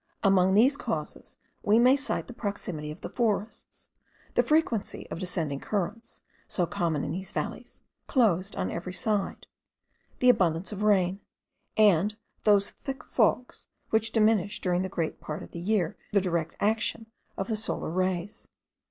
Among these causes we may cite the proximity of the forests; the frequency of descending currents, so common in these valleys, closed on every side; the abundance of rain; and those thick fogs which diminish during a great part of the year the direct action of the solar rays.